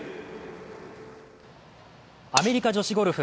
アメリカ女子ゴルフ。